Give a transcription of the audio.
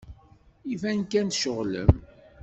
Iban kan tceɣlemt.